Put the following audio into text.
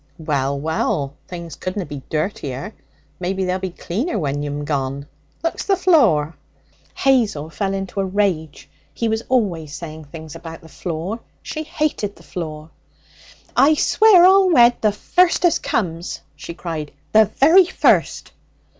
'Well, well, things couldna be dirtier; maybe they'll be cleaner when you'm gone. Look's the floor!' Hazel fell into a rage. He was always saying things about the floor. She hated the floor. 'I swear I'll wed the first as comes!' she cried 'the very first!'